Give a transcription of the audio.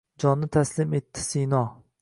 Jonni taslim etdi Sino…